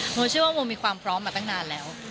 โมเชื่อว่าโมมีความพร้อมมาตั้งนานแล้ว